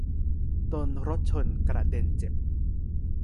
โดนรถชนกระเด็นเจ็บ